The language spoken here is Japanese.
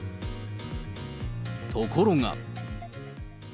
ところが。